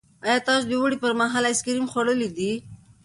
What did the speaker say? ایا تاسو د اوړي پر مهال آیس کریم خوړلي دي؟